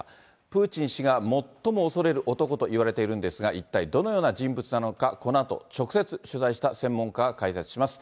プーチン氏が最も恐れる男といわれているんですが、一体どのような人物なのか、このあと直接取材した専門家が解説します。